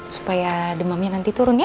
supaya demamnya nanti turun ya